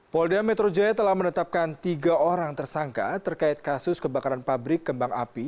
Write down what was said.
polda metro jaya telah menetapkan tiga orang tersangka terkait kasus kebakaran pabrik kembang api